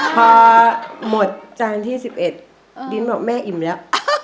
พอหมดจานที่๑๑ดินบอกแม่อิ่มแล้ว